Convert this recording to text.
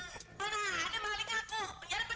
orang orang ada balik aku